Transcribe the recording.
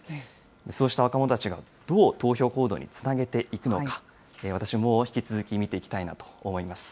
そうした若者たちがどう投票行動につなげていくのか、私も引き続き見ていきたいなと思います。